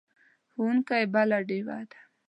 ښوونکی بله ډیوه ده.